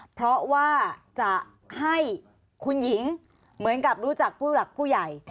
เพราะว่าจะให้คุณหญิงเหมือนกับรู้จักผู้หลักผู้ใหญ่